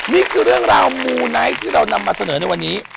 นี่คือเรื่องราวมูไนท์ที่เรานำมาเสนอในวันนี้